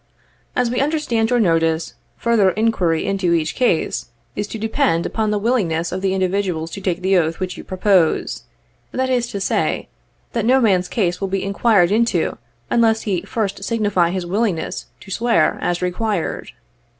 "As we understand your notice, 'further inquiry into each case,' is to depend upon the willingness of the individual to take the oath which you propose ; that is to say, that no man's case will be inquired into, unless he first signify his willingness to swear as required.